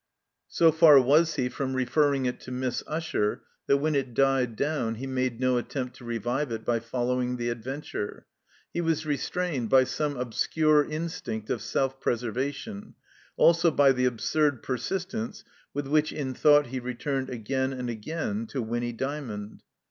So far was he from referring it to Miss Usher that when it died down he made no attempt to revive it by following the adventure. He was restrained by some obscure instinct of self preservation, also by the absurd i)ersistence with which in thought he returned again and again to Winny Dymond.